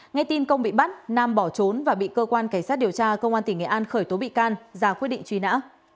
ngay tin công bị bắt nam bỏ trốn và bị cơ quan cảnh sát điều tra công an tỉnh nghệ an khởi tố bị can ra quyết định truy nã